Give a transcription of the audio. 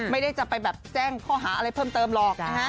ไม่ได้จะไปแบบแจ้งข้อหาอะไรเพิ่มเติมหรอก